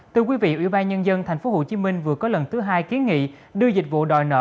từ quý vị ủy ban nhân dân tp hcm vừa có lần thứ hai kiến nghị đưa dịch vụ đòi nợ